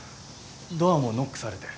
ドアもノックされて。